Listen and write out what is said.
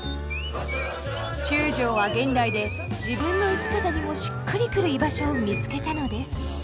中将は現代で自分の生き方にもしっくりくる居場所を見つけたのです。